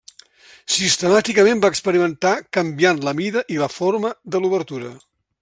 Sistemàticament va experimentar canviant la mida i la forma de l'obertura.